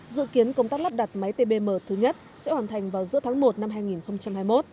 dự kiến công tác lắp đặt máy tbm thứ nhất sẽ hoàn thành vào giữa tháng một năm hai nghìn hai mươi một